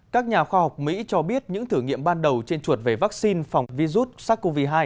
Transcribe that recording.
các nhà khoa học mỹ cho biết những thử nghiệm ban đầu trên chuột về vaccine phòng virus sars cov hai